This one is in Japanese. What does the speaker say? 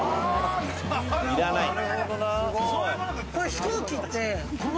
飛行機って。